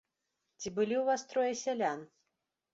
Ці былі ў вас трое сялян?